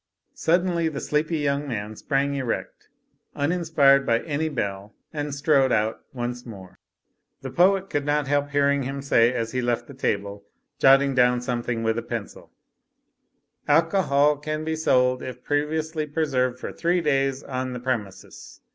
Suddenly the sleepy young man sprang erect, unin spired by any bell, and strode out once more. The poet could not help hearing him say as he left the table, jotting down something with a pencil: "Alcohol can be sold if previously preserved for three days on the premises.